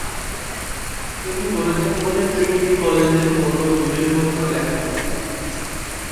তিনি করেছেন বলে ট্রিনিটি কলেজের কোন দলিলপত্র লেখা নেই।